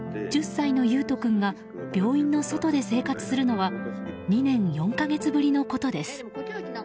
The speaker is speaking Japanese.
１０歳の雄斗君が病院の外で生活するのは２年４か月ぶりのことです。